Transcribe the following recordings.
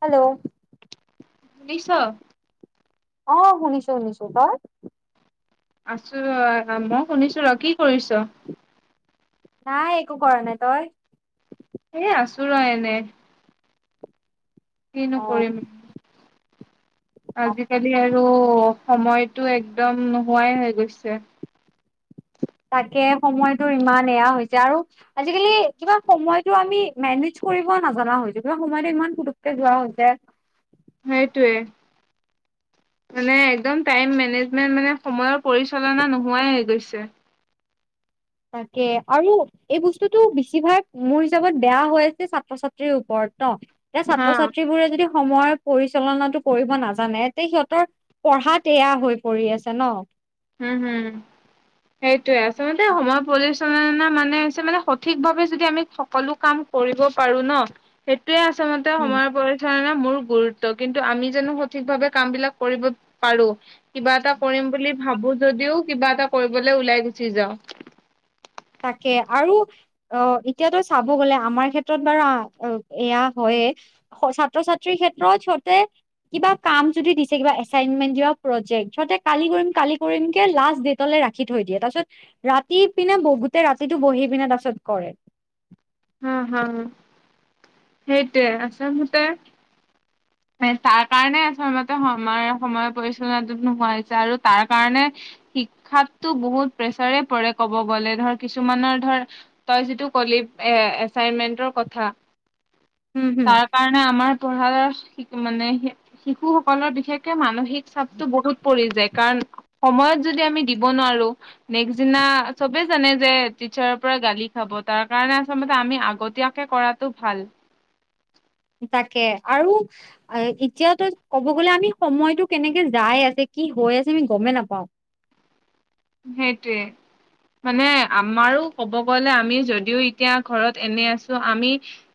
Hello শুনিছ? অ' শুনিছো, শুনিছো, তই? আছো ৰ' [unintelligible] শুনিছো ৰ', কি কৰিছ? নাই, একো কৰা নাই। তই? এ আছো ৰ' এনে। কিনো অ কৰিম? অ আজি-কালি আৰু সময়টো একদম নোহোৱাই হৈ গৈছে। তাকে সময়তো ইমান এয়া হৈ যায় আৰু আজি-কালি কিবা সময়টো আমি মেনেজ কৰিব নাজনা হৈছো, কিবা সময়তো ইমান পুটোককে যোৱা হৈছে। সেইটোৱে। মানে একদম টাইম মেনেজমেন্ট মানে সময়ৰ পৰিচালনা নোহোৱাই হৈ গৈছে। তাকে, আৰু এই বস্তুটো বেছিভাগ মোৰ হিচাপত বেয়া হৈ আছে ছাত্ৰ-ছাত্ৰীৰ ওপৰত ন। এতিয়া হা, ছাত্ৰ-ছাত্ৰীবোৰে যদি সময়ৰ পৰিচালনাটো কৰিব নাজানে তে সিহঁতৰ পঢ়াত এয়া হৈ পৰি আছে ন। উ, হু সেইটোৱে। আচলতে সময় পৰিচ চালনা মানে হৈছে মানে সঠিক ভাৱে যদি আমি সকলো কাম কৰিব পাৰো ন সেইটোৱে আচলতে উম সময়ৰ পৰি ধাৰণা মোৰ গুৰুত্ব, কিন্তু আমি জানো সঠিকভাৱে কামবিলাক কৰিব পাৰোঁ? কিবা এটা কৰিম বুলি ভাবোঁ যদিও কিবা এটা কৰিবলে ওলাই গুচি যাওঁ। তাকে আৰু অ' এতিয়া তই চাব গলে আমাৰ ক্ষেত্ৰত বাৰু আ-ও এয়া হয়য়ে স ছাত্ৰ-ছাত্ৰীৰ ক্ষেত্ৰত সিহঁতে কিবা কাম যদি দিছে কিবা এছাইনমেণ্ট, কিবা প্ৰজেক্ট সিহঁতে কালি কৰিম, কালি কৰিম কে লাষ্ট দেত তলে ৰাখি থৈ দিয়ে। তাৰপিছত ৰাতি ইপিনে ব গোটেই ৰাতিটো বহি পিনে তাৰ পিছত কৰে। হা' হা' সেইটোৱে। আচলতে তাৰ কাৰণে আচলতে সময় সময়ে পৰিচালনাটো নোহোৱা হৈছে আৰু তাৰ কাৰণে শিক্ষাতো বহুত প্ৰেছাৰে পৰে ক'ব গ'লে ধৰ কিছুমানৰ ধৰ তই যিটো ক'লি এ এচাইমেণ্ট কথা। উম হুম তাক কাৰণে আমাৰ [unintelligible] শিকো মানে। শিশু সকলৰ বিশেষকে মানসিক চাপটো বহুত পৰি যায়। কাৰণ সময়ত যদি আমি দিব নোৱাৰো। নেক্স দিনা চবে জানে যে টিচাৰৰ পৰা গালি খাব তাৰ কাৰণে আ প্ৰথমতে আমি আগতীয়াকে কৰাটো ভাল। তাকে! আৰু এতিয়াতো ক'ব গলে আমি সময়টো কেনেকে যায় আছে কি হৈ আছে আমি গমেই নাপাওঁ। সেইটোৱে। মানে আমাৰো ক'ব গলে আমি যদিও এতিয়া ঘৰত এনে আছো আমি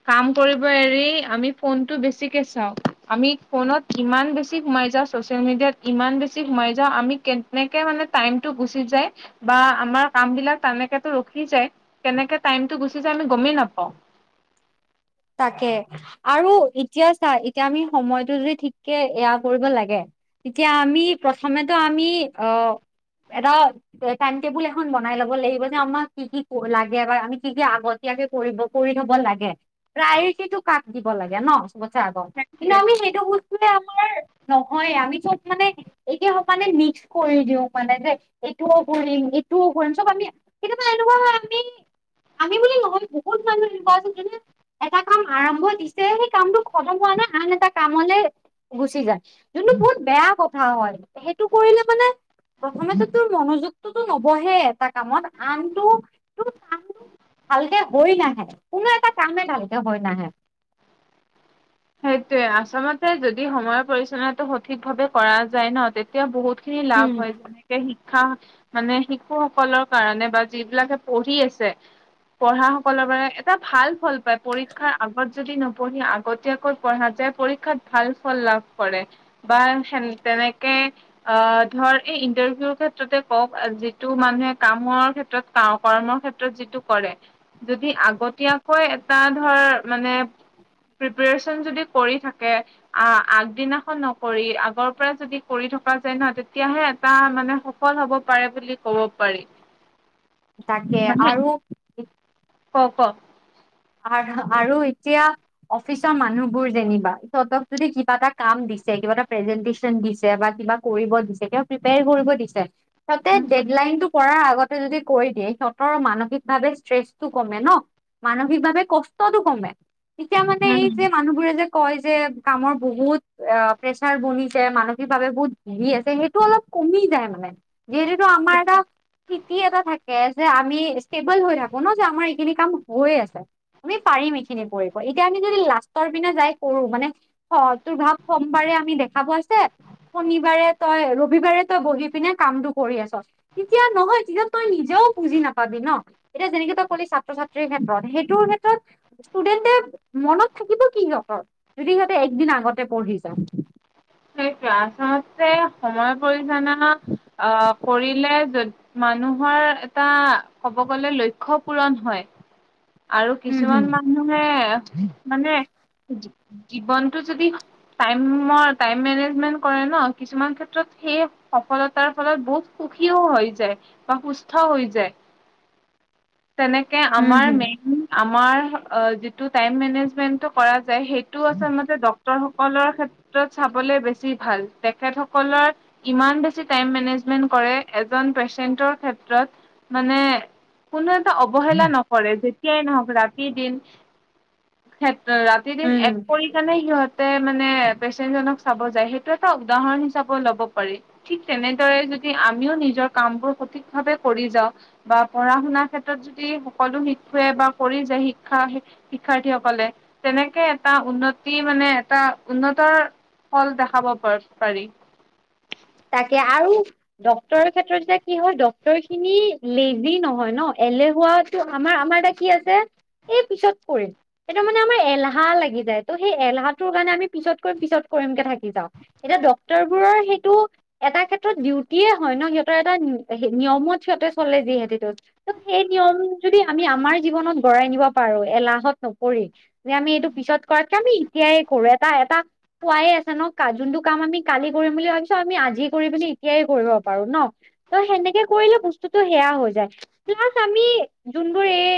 কাম কৰিব এৰি আমি ফোনটো বেছিকে চাওঁ। আমি ফোনত ইমান বেছি সোমাই যাওঁ, ছ'চিয়েল মিডিয়াত ইমান বেছি সোমাই যাওঁ আমি কেনেকে মানে টাইম টো গুচি যায় বা আমাৰ কাম বিলাক তালেকোটো ৰখি যায়। কেনেকে টাইমটো গুচি যায় আমি গমেই নাপাওঁ। তাকে আৰু এতিয়া চা এতিয়া আমি সময়টো যদি ঠিককে এয়া কৰিব লাগে। তেতিয়া আমি প্ৰথমেতো আমি অ' এটা টাইম টেবুল এখন বনাই ল'ব লাগিব যে আমাক কি কি লাগে বা আমি কি কি আগত তীয়াকে কৰিব কৰি থব লাগে। প্ৰায়ৰিটিটো কাক দিব লাগে ন' চবতছে আগত কিন্তু সেইটোৱে আমি সেইটো আমাৰ [inaudible] নহয় আমি [unintelligible] মানে এইকে সমানে মিক্স কৰি দিও মানে যে এইটোও কৰিম সেইটোও কৰিম চব আমি কেতিয়াবা এনেকুৱা হয় আমি আমি বুলি নহয় বহুত মানুহ [unintelligible] এটা কাম আৰম্ভ দিছে, সেই কামটো খতম হোৱা নাই আন এটা কামলে গুচি যায়। যোনটো বহুত বেয়া কথা হয়, সেইটো কৰিলে মানে প্ৰথমে তোৰটো মনোযোগটো নবহে এটা কামত আনটো তোৰ কাম ভালকে হৈ নাহে, কোনো এটা কামে ভালকে হৈ নাহে। সেইটোৱে আচলতে যদি সময়ৰ পৰিচালনাটো সঠিক ভাৱে কৰা যায় ন'। তে তেতিয়া বহুত খিনি লাভ উম, হয়। যেনে শিক্ষা মানে শিশুসকলৰ কাৰণে বা যিবিলাকে পঢ়ি আছে। পঢ়া সকলৰ বাবে এটা ভাল ফল পায়, পৰীক্ষাৰ আগত যদি নপঢ়ি আগতিয়া পঢ়া যায়, পৰীক্ষাত ভাল ফল লাভ কৰে বা হেন তেনেকে অ' ধৰ এই ইণ্টাৰভিউৰ ক্ষেত্ৰতে কওক যিটো মানুহে কামৰ ক্ষেত্ৰত কৰ্মৰ ক্ষেত্ৰত যিটো কৰে, যদি আগতীয়াকৈ এটা ধৰ মানে প্ৰিপাৰেচন যদি কৰি থাকে। আ' আগদিনাখন নকৰি আগৰ পৰা যদি কৰি থকা যায় নহ তেতিয়াহে এটা মানে স সফল হ'ব পাৰে বুলি ক'ব পাৰি। তাকে! মানে আৰু ক' ক'! আৰু আৰু এতিয়া অফিচৰ মানুহবোৰ যেনিবা সিহঁতক যদি কিবা এটা কাম দিছে, কিবা এটা প্ৰেজেন্টেশচন দিছে বা কিবা কৰিব দিছে, কিবা প্ৰেপাৰে কৰিব দিছে তাতে উম ডেডলাইনটো কৰা আগত [unintelligible] যদি কৰি দিয়ে সিহঁতৰ মানসিক ভাৱে ষ্ট্ৰেচটো কমে ন। মানসি সিভাৱে কষ্টটো কমে ইতিয়া মানে এই উম যে মানুহবোৰে যে কয় যে কামৰ বহুত অ' প্ৰেচাৰ বনিছে মানসিকভাৱে বহুত ভুগি আছে সেইটো অলপ কমি যায় মানে। যিৰেতু আমাৰ এটা সিতি এটা থাকে যে আমি ষ্টেবল হৈ থাকো ন যে আমাৰ এইখিনি কাম হৈ আছে। আমি পাৰিম এইখিনি কৰিব, এতিয়া আমি যদি লাষ্টৰ পিনে যাই কৰো মানে অ', তোৰ ভাৱ সমবাৰে আমি দেখাব হৈছে শনিবাৰে তই ৰবিবাৰে তই বহি পিনে কামটো কৰি আছ। তিতিয়া নহয় তিতিয়া তই নিজেও বুজি নাপাবি ন, এতিয়া যেনেকে তই কলি ছাত্ৰ ছাত্ৰীৰ ক্ষেত্ৰত সেই তোৰ হেটট ষ্টুডেণ্টয়ে মনত থাকিব কি সিহঁতৰ যদি সিহঁতে একদিন আগতে পঢ়ি যায়। [unintelligible] চাতে সময় পৰিচনা অহ কৰিলে যদ মানুহৰ এটা ক'ব গলে লক্ষ্য পূৰণ হয়। আৰু উম হম কিছুমান মানুহে মানে জীৱনতটো যদি টাইমৰ টাইম মেনেজ মেন্ত কৰে ন কিছুমান ক্ষেত্ৰত সেই সফলতাৰ ফলত বহুত সুখীও হৈছে। বা সুস্থ হৈ যায়। তেনেকে উম আমাৰ হম মে [unintelligible] আমাৰ অ' যিটো টাইম মেনেজমেন্টটো কৰা যায় সেইটো আচলতে ডক্তৰ সকলৰ ক্ষেত [unintelligible] চাবলে বেছি ভাল। তেখেতসকলৰ ইমান বেছি টাইম মেনেজমেন্ট কৰে এজন পেচেন্টৰ ক্ষেত্ৰত মানে কোনো এটা অৱহেলা নকৰে যেতিয়াই নহওঁক ৰাতি দিন ক্ষেত্ৰ ৰাত তিদিন উম এক হম কৰি কেনে সিহঁতে মানে পেচেণ্টজনক চাব যায় সেইটোৱেত এটা উদাহৰণ হিচাপত ল'ব পাৰি। ঠিক তেনেদৰে যদি আমিও নিজৰ কামবোৰ সঠিক ভাৱে কৰি যাওঁ বা পঢ়া শুনাৰ ক্ষেত্ৰত যদি সকলো শিক্ষুৱে বা কৰি যায় শিক্ষা হে শিক্ষাৰ্থীসকলে তেনেকে এটা উন্নতি মানে এটা উন্নতৰ ফল দেখাব পৰপ-পাৰি। তাকে আৰু ডাক্তৰে ক্ষেত্ৰত এতিয়া কি হয় ডাক্তৰ খিনি লেজি নহয় ন এলেহুৱাত টো আমাৰ, আমাৰ এটা কি আছে এই পিছত পৰিম। এইটো মানে আমাৰ এলহাহ লাগি যায় ত সেই এলাহটোৰ কাৰণে আমি পিছত কৰিম পিছত কৰিমকে থাকি যাওঁ। এতিয়া ডক্তৰ বোৰৰ সেইটো এটা ক্ষেত্ৰত ডিউটিয়ে হয় ন সিহঁতৰ এটা [unintelligible] নিয়মত সিহঁতে চলে যিসেতিটোত। ত' সেই নিয়ম যদি আমি আমাৰ জীৱনত গৰাই নিব পাৰো এলাহত নকৰি যে আমি এইটো পিছত কৰত যআমি এতিয়াই কৰো এটা, এটা খোৱাই আছে ন কা-যোনটো কাম আমি কালি কৰিম বুলি ভাবিছোঁ আমি আজ যি কৰি পিনি এতিয়াই কৰিব পাৰো ন ত সেনেকে কৰিলে বস্তুটো সেয়া হৈ যায়। [unintelligible] আমি যোনবোৰ এই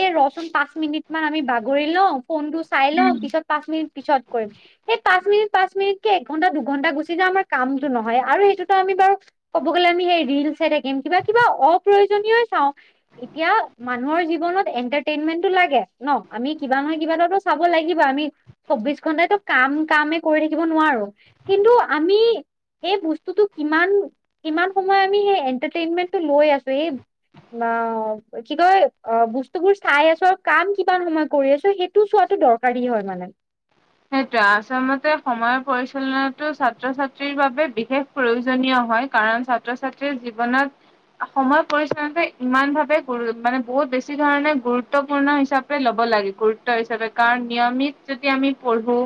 এ ৰচুন পাঁচ মিনিট মান আমি বাগৰি লওঁ ফোনটো চাই লওঁ উম পিছত পাঁচ মিনিট পিছত কৰিম। এই পাঁচ মিনিট পাঁচ মিনিট কে একঘন্টা দুঘন্টা গুচি যা আমাৰ কামটো নহয় আৰু সেইটোতো আমি বাৰু ক'ব গ'লে আমি সেই ৰিল চাই থাকিম কিবা, কিবা অপ্ৰয়োজনীয়ই চাওঁ। ইতিয়া মানুহৰ জীৱনত এন্টাৰটেইনমেন্টটো লাগে ন আমি কিবা নায় কিবা এটা দোচ চাব লাগিব আমি চৌবিশ ঘন্টাইটো কাম কামে কৰি থাকিব নোৱাৰো। কিন্তু আমি এই বস্তুটো কিমান, কিমান সময় আমি সেই এন্টাৰটেইনমেন্টটো লৈ আছোঁ এই মাঁও কি কয় অঁ বস্তুবোৰ চাই আছো আৰু কাম কিমান সময় কৰি আছো সেই টো চোৱাটো দৰকাৰী হয় মানে। সেইটোয়ে আচলতে সময়ৰ পৰিচালনাটো ছাত্ৰ ছাত্ৰীৰ বাবে বিশেষ প্ৰয়োজনীয় হয় কাৰণ ছাত্ৰ ছাত্ৰীৰ জীৱনত সময় পৰিচালনাতো ইমান ভাৱে গুৰু মানে বহুত বেছি ধৰণে গুৰুত্বপূৰ্ণ হিচাপ কৰি ল'ব লাগে গুৰুত্ব হিচাপে কাৰণ নিয়মিত যেতিয়া আমি পঢ়ো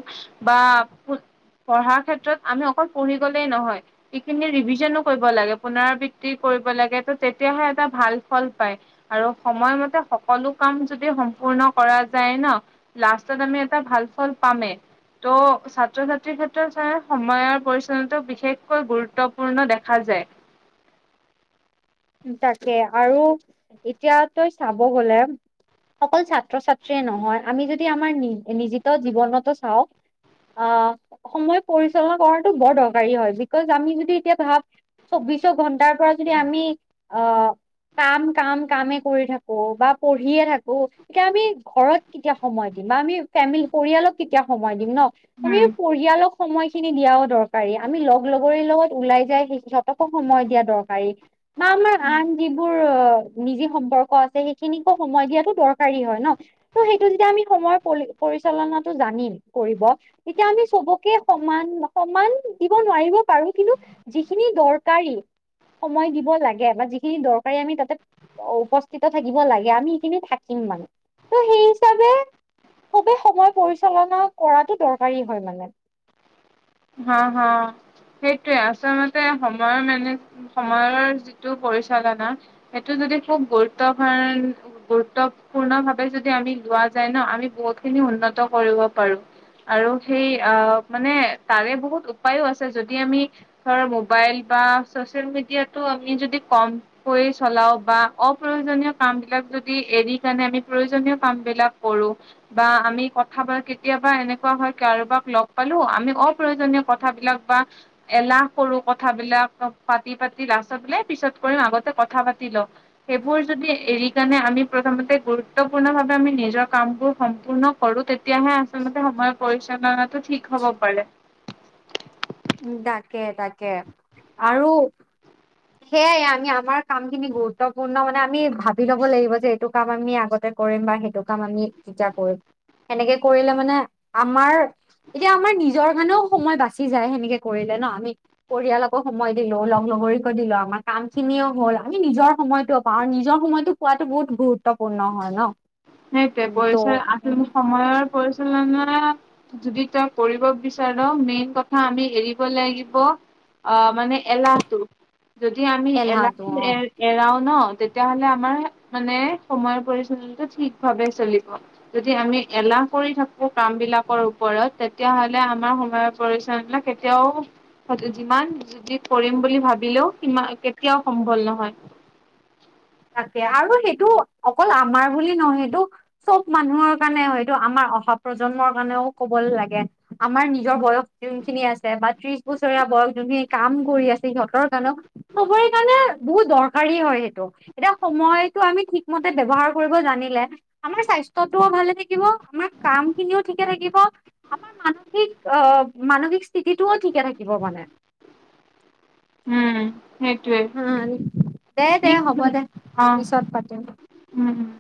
বা পুত পঢ়াৰ ক্ষেত্ৰত আমি অকল পঢ়ি গ'লেই নহয়। ইখিনি ৰিভিজনো কৰিব লাগে পুনৰাবৃত্তি কৰিব লাগে ত তেতিয়াহে এটা ভাল ফল পায়। আৰু সময়মতে সকলো কাম যদি সম্পূৰ্ণ কৰা যায় ন লাষ্টত আমি এটা ভাল ফল পামে। ত' ছাত্ৰ ছাত্ৰীৰ ক্ষেত্ৰত চাগে সময়ৰ পৰিচালনাতো বিশেষকৈ গুৰুত্বপূৰ্ণ দেখা যায়। তাকে আৰু এতিয়া তই চাব গ'লে অকল ছাত্ৰ ছাত্ৰীয়ে নহয় আমি যদি আমাৰ নি- নিজিত জীৱনতো চাওঁ অঁ সময় পৰিচালনা কৰাটো বৰ দৰকাৰী হয় বিকজ আমি যদি এতিয়া ভাব চৌবিশ ঘন্টাৰ পৰা যদি আমি অ কাম কাম কামে কৰি থাকো বা পঢ়িয়ে থাকো এতিয়া আমি ঘৰত কেতিয়া সময় দিম বা আমি ফেমিলি পৰিয়ালক কেতিয়া সময় দিম ন আমি উম। পঢ়ি ৰিয়ালক সময়খিনি দিয়াও দৰকাৰী আমি লগ লগৰি লগত ওলাই যাই সেই সিহঁতকো সময় দিয়া দৰকাৰী। আমাৰ আন যিবোৰ নিজি সম্পৰ্ক আছে সেইখিনিকো সময় দিয়াতো দৰকাৰী হয় ন। ত' সেইটো যেতিয়া আমি সময়ৰ পলি পৰিচালনাটো জানিম কৰিব তেতিয়া আমি চবকে সমান- সমান দিব নোৱাৰিব পাৰো কিন্তু যিখিনি দৰকাৰী সময় দিব লাগে বা যিখিনি দৰকাৰী আমি তাতে উপস্থিত থাকিব লাগে আমি সেইখিনি থাকিম মানে। ত' সেই হিচাবে চবে সময় পৰিচালনা কৰাটো দৰকাৰী হয় মানে। হা হা সেইটোৱে আচলতে সময় মানে সময়ৰ যিটো পৰিচালনা সেইটো যদি খুব গুৰুত্ব [unintelligible] গুৰুত্বপূৰ্ণ ভাৱে যদি আমি লোৱা যায় ন আমি বহুত খিনি উন্নত কৰিব পাৰো। আৰু সেই আহঁ মানে তাৰে বহুত উপায়ো আছে যদি আমি ধৰা মোবাইল বা চচিয়েল মেডিয়াটো আমি যদি কম কৰি চলাও বা অপ্ৰয়োজনীয় কাম বিলাক যদি এৰি পেনে আমি প্ৰয়োজনীয় কাম বিলাক কৰো বা আমি কথা [unintelligible] কেতিয়াবা এনেকুৱা হয় কাৰোবাক লগ পালো আমি অপ প্ৰয়োজনীয় কথাবিলাক বা এলাহ কৰো কথাবিলাক পাতি পাতি লাষ্টত বোলে পিছত কৰিম আগতে কথা পাতি লওঁ। সেইবোৰ যদি এৰি কাণে আমি প্ৰথমতে গুৰুত্বপূৰ্ণ ভাৱে আমি নিজৰ কামবোৰ সম্পূৰ্ণ কৰো তেতিয়াহে আচলতেই সময়ৰ পৰিচালনাটো ঠিক হব পাৰে। উ তাকে তাকে আৰু সেয়াই আমি আমাৰ কাম খিনি গুৰুত্বপূৰ্ণ মানে আমি ভাব বি ল'ব লাগিব যে এইটো কাম আমি আগতে কৰিম বা সেইটো কাম আমি কেতিয়া কৰিম। সেনেকে কৰিলে মানে আমাৰ এতিয়া আমাৰ নিজৰ কাণেও সময় বাচি যায় সেনেকে কৰিলে ন আমি পৰিয়াল আকৌ সময় দিলো লগ লগৰি দিলো আমাৰ কাম খিনিও হ'ল আমি নিজৰ সময়তটোও পাওঁ আৰু নিজৰ সময়তো পোৱাতো বহুত গোত ত্বপূৰ্ণ হয় ন। সেইটোৱে উম, ত' পৰিচয় আচল সময়ৰ পৰিচালনা যদি তই কৰিব বিচাৰ মেইন কথা আমি এৰিব লাগিব অ' মানে এলাহটো যদি আমি এলাহটো এৰ এৰাও ন তেতিয়াহলে আমাৰ মানে সময়ৰ পৰিচালনাটো ঠিক ভাৱে চলিব যদি আমি এলাহ কৰি থাকো কাম বিলাকৰ ওপৰত তেতিয়াহলে আমাৰ সময়ত পৰিশ্ৰমবিলাক কেতিয়াও যিমান যি কৰিম বুলি ভাবিলেও সি কেতিয়াও সম্ভল নহয় তাকে আৰু সেইটো অকল আমাৰ বুলি নহয় সেইটো চব মানুহৰ কাৰণে হয় এইটো আমাৰ অহ প্ৰজন্মৰ কাৰণেও ক'ব লাগে আমাৰ নিজৰ বয়স খিনি আছে বা ত্ৰিশ বছৰীয়া বয়স জোনেই কাম কৰি আছে সিহঁতৰ কাৰণেও চবৰে কাৰণে বহুত দৰকাৰী হয় সেইটো এতিয়া সময়টো, আমি ঠিকমতে ব্যৱহাৰ কৰিব জানিলে আমাৰ স্বাস্থ্যটোও ভালে থাকিব, আমাৰ কাম খিনিও থিকে থাকিব। আমাৰ মানসিক অ, মানসিক স্থিতিটোও ঠিকে থাকিব মানে। উম সেইটোৱে। উম দে দে হ'ব [unintelligible] দে অ পিছত পাতিম উম-উম